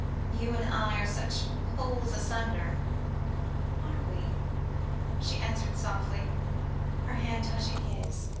You and I are such poles asunder." "Are we?" she answered softly, her hand touching his.